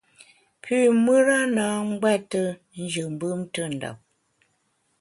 Pü mùra na ngbète njù mbùm ntùndap.